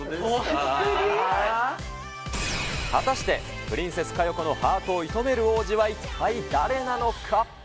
果たして、プリンセス佳代子のハートを射止める王子は一体誰なのか。